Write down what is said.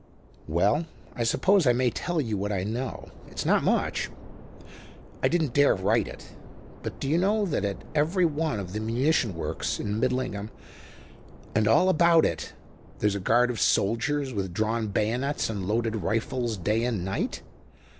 "Well, I suppose I may tell you what I know. It's not much. I didn't dare write it. But do you know that at every one of the munition works in Midlingham and all about it there's a guard of soldiers with drawn bayonets and loaded rifles day and night?